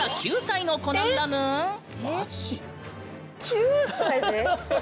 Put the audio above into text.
９歳で？